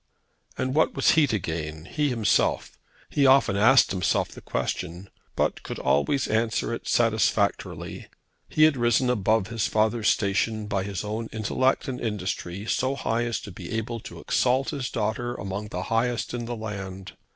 And what was he to gain, he himself? He often asked himself the question, but could always answer it satisfactorily. He had risen above his father's station by his own intellect and industry so high as to be able to exalt his daughter among the highest in the land.